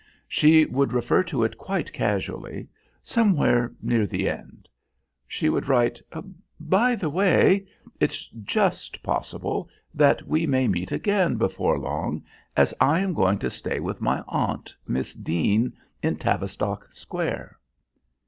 She would refer to it quite casually, somewhere near the end. She would write: "By the way, it's just possible that we may meet again before long as I am going to stay with my aunt, Miss Deane, in Tavistock Square."